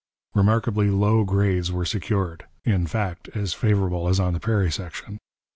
Remarkably low grades were secured; in fact, as favourable as on the prairie section.